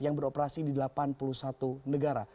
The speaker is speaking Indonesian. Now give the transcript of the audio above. yang beroperasi di delapan puluh satu negara